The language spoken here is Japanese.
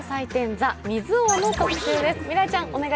ＴＨＥ水王」の特集です。